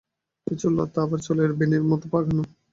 কিছু কিছু লতা আবার চুলের বেণীর মতো পাকানো।